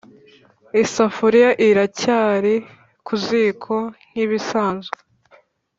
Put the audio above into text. isafuriya iracyari kuziko nkibisanzwe.